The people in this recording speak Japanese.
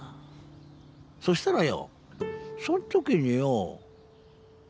そしたらよそんときによ